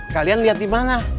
kalian liat dimana